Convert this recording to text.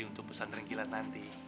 untuk pesan rangkilat nanti